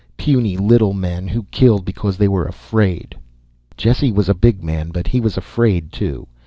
Puny little men who killed because they were afraid. Jesse was a big man, but he was afraid, too.